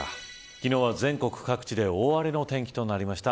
昨日は全国各地で大荒れの天気となりました。